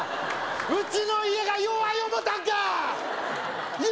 うちの家が弱い思たんかーっ？